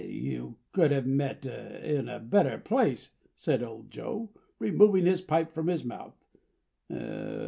"You couldn't have met in a better place," said old Joe, removing his pipe from his mouth.